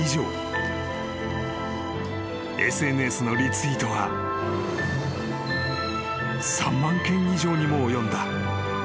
［ＳＮＳのリツイートは３万件以上にも及んだ］